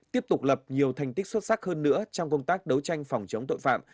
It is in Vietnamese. tiếp tục lập nhiều thành tích xuất sắc hơn nữa trong công tác đấu tranh phòng chống tội phạm